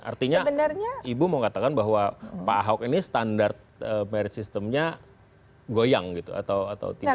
artinya ibu mau katakan bahwa pak ahok ini standar merit systemnya goyang gitu atau tidak